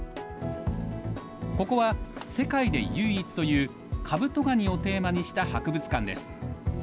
ここは世界で唯一というカブトガニをテーマにした博物館です。